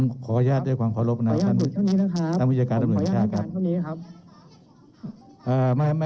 ผมขออนุญาตด้วยความขอบรับทางวิทยาการดำเนินชาติครับ